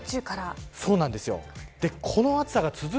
そうなんですよ。